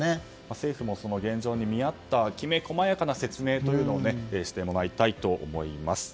政府も、現状に見合ったきめ細やかな説明をしてもらいたいと思います。